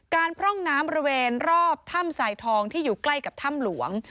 พร่องน้ำบริเวณรอบถ้ำสายทองที่อยู่ใกล้กับถ้ำหลวง